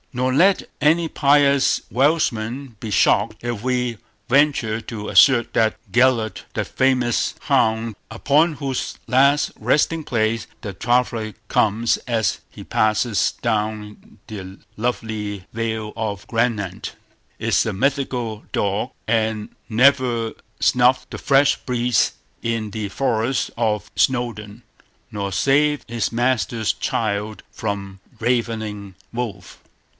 Nor let any pious Welshman be shocked if we venture to assert that Gellert, that famous hound upon whose last resting place the traveller comes as he passes down the lovely vale of Gwynant, is a mythical dog, and never snuffed the fresh breeze in the forest of Snowdon, nor saved his master's child from ravening wolf.